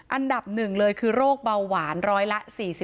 อันดับ๑เลยคือโรคเบาหวาน๑๐๐ละ๔๓